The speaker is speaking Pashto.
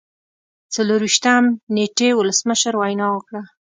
څلور ویشتم نیټې ولسمشر وینا وکړه.